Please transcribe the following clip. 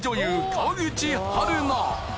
川口春奈